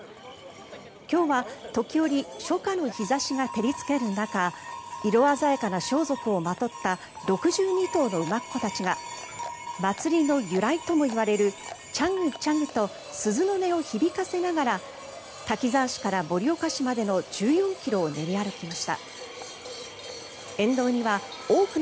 今日は時折初夏の日差しが照りつける中色鮮やかな装束をまとった６２頭の馬コたちが祭りの由来ともいわれるチャグ、チャグと鈴の音を響かせながら滝沢市から盛岡市までの気象情報は佐藤さんです。